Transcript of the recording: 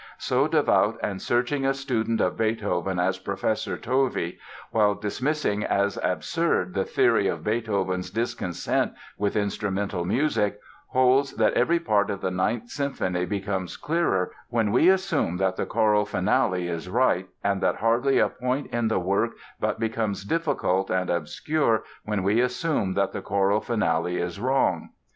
So devout and searching a student of Beethoven as Professor Tovey, while dismissing as absurd the theory of Beethoven's discontent with instrumental music, holds that every part of the Ninth Symphony becomes clearer when we assume that the choral Finale is right, and that hardly a point in the work but becomes difficult and obscure when we assume that the choral Finale is wrong.